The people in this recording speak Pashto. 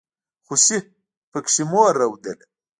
خوسي پکې مور رودله.